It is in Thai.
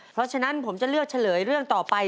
เพราะฉะนั้นผมจะเลือกเฉลยเรื่องต่อไป